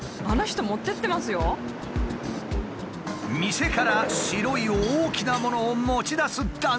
店から白い大きなものを持ち出す男性が。